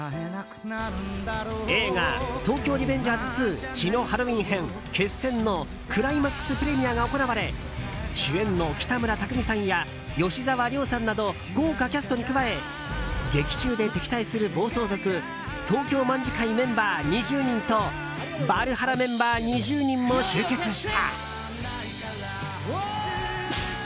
映画「東京リベンジャーズ２血のハロウィン編‐決戦‐」のクライマックスプレミアが行われ主演の北村匠海さんや吉沢亮さんなど豪華キャストに加え劇中で敵対する暴走族東京卍會メンバー２０人と芭流覇羅メンバー２０人も集結した。